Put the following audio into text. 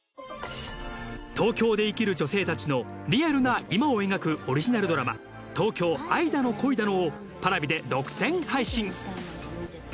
東京で生きる女性たちのリアルな今を描くオリジナルドラマ『東京、愛だの、恋だの』をＰａｒａｖｉで独占配信。